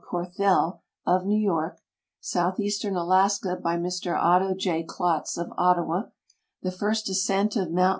Corthell, of New York ; South eastern Alaska, by Mr Otto J. Klotz, of Ottawa ; The First Ascent of Mt.